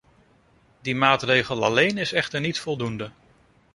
Die maatregel alleen is echter niet voldoende.